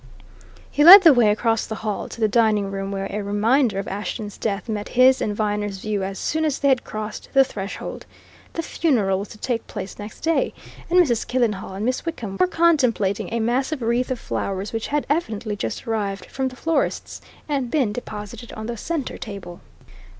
He led the way across the hall to the dining room where a reminder of Ashton's death met his and Viner's view as soon as they had crossed the threshold. The funeral was to take place next day, and Mrs. Killenhall and Miss Wickham were contemplating a massive wreath of flowers which had evidently just arrived from the florist's and been deposited on the centre table.